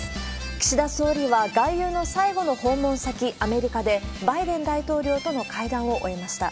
岸田総理は、外遊の最後の訪問先、アメリカで、バイデン大統領との会談を終えました。